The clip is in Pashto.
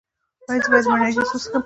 ایا زه باید د مڼې جوس وڅښم؟